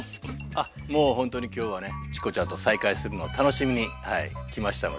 あっもうほんとに今日はねチコちゃんと再会するのを楽しみにはい来ましたので。